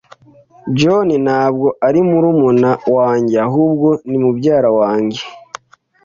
John ntabwo ari murumuna wanjye, ahubwo ni mubyara wanjye.